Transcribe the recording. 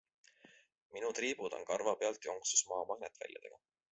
Minu triibud on karvapealt jonksus Maa magnetväljadega.